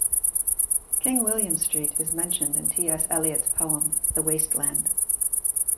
King William Street is mentioned in T. S. Eliot's poem The Waste Land.